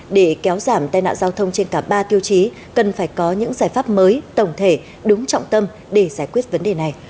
để kéo giảm tai nạn giao thông trên cả ba tiêu chí cần phải có những giải pháp mới tổng thể đúng trọng tâm để giải quyết vấn đề này